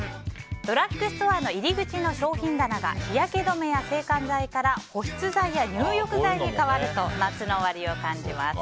ドラッグストアの入り口の商品棚が日焼け止めや制汗剤から保湿剤や入浴剤に変わると、夏の終わりを感じます。